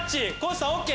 地さんＯＫ！